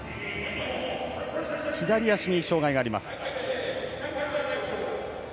左足に障がいがあります。